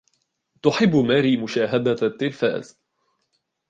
تحب ماري مشاهدة التلفاز.